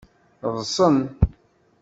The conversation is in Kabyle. Ḍḍsen.